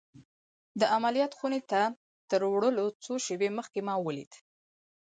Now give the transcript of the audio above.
د عملیات خونې ته تر وړلو څو شېبې مخکې ما ولید